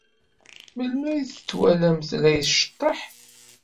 Melmi ay t-twalamt la as-iceḍḍeḥ?